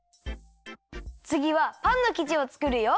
つぎはパンのきじをつくるよ。